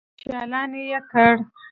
چالان يې کړ.